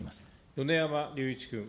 米山隆一君。